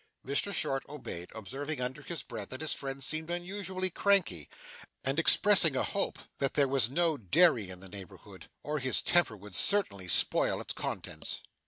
Mr Short obeyed, observing under his breath that his friend seemed unusually 'cranky,' and expressing a hope that there was no dairy in the neighbourhood, or his temper would certainly spoil its contents.